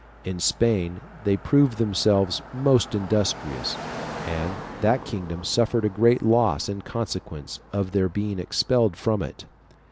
In Spain they proved themselves most industrious, and that kingdom suffered a great loss in consequence of their being expelled from it.